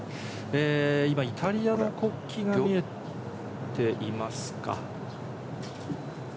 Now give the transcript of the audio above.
今、イタリアの国旗が見えていますか？